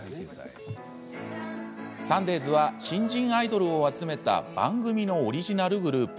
サンデーズは新人アイドルを集めた番組のオリジナルグループ。